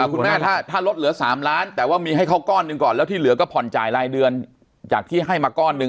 คุณแม่ถ้าลดเหลือ๓ล้านแต่ว่ามีให้เขาก้อนหนึ่งก่อนแล้วที่เหลือก็ผ่อนจ่ายรายเดือนจากที่ให้มาก้อนหนึ่ง